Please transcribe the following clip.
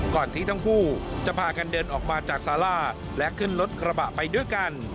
ก่อนที่ทั้งคู่จะพากันเดินออกมาจากสาราและขึ้นรถกระบะไปด้วยกัน